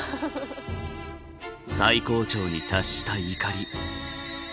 最高潮に達した怒り。